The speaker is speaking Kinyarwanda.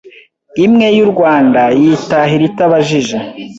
Imwe y’u Rwanda Yitahira itabajije